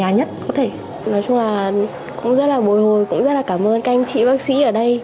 nói chung là cũng rất là bồi hồi cũng rất là cảm ơn các anh chị bác sĩ ở đây